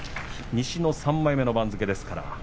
西の３枚目の番付です。